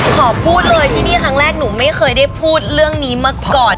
ขอพูดเลยที่นี่ครั้งแรกหนูไม่เคยได้พูดเรื่องนี้มาก่อน